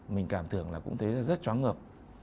mình cảm tưởng là cũng thấy rất chóng ngợp